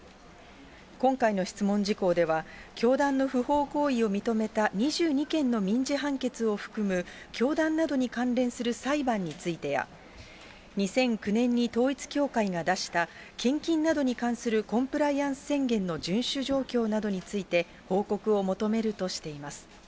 今回の質問事項では、教団の不法行為を認めた２２件の民事判決を含む、教団などに関連する裁判についてや、２００９年に統一教会が出した、献金などに関するコンプライアンス宣言の順守状況などについて報告を求めるとしています。